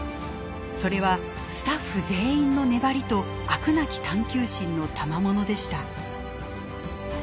それはスタッフ全員の粘りと飽くなき探究心の賜物でした。